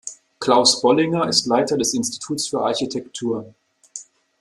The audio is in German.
Klaus Bollinger ist Leiter des Instituts für Architektur.